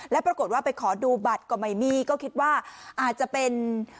แล้วปรากฏว่าไปขอดูบัตรก็ไม่มีก็คิดว่าอาจจะเป็น